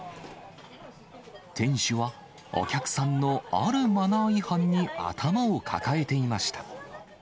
店主は、お客さんのあるマナー違反に頭を抱えていました。